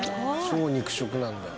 超肉食なんだ。